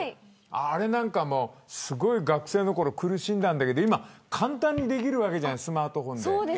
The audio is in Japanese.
あれなんか、すごい学生のころ苦しんだんだけど今は簡単にできるわけじゃないスマートフォンで。